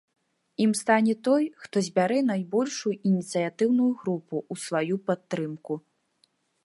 Ім стане той, хто збярэ найбольшую ініцыятыўную групу ў сваю падтрымку.